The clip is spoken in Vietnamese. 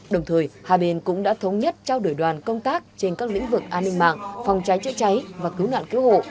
đồng thời hai bên cũng đã thống nhất trao đổi đoàn công tác trên các lĩnh vực an ninh mạng phòng cháy chữa cháy và cứu nạn cứu hộ